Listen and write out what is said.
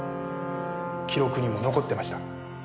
記録にも残ってました。